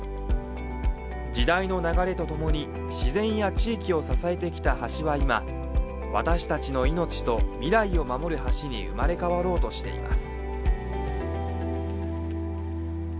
時代の流れとともに自然や地域を支えてきた橋は今私たちの命を未来を守る橋に生まれ変わろうとしています。